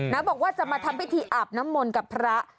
แล้วบอกว่าจะมาทำพิธีอาบน้ำบ่นกับพระ